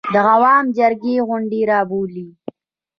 د عوامو جرګې غونډه راوبولي.